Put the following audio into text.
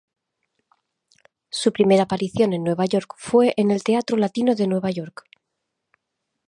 Su primera aparición en Nueva York fue en el Teatro Latino de Nueva York.